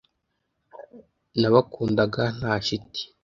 Nabakundaga. Nta shiti.